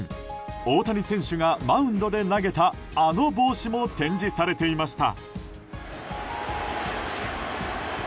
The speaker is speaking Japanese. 大谷選手がマウンドで投げたあの帽子も展示されていました。